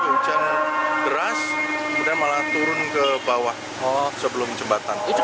hujan deras kemudian malah turun ke bawah mal sebelum jembatan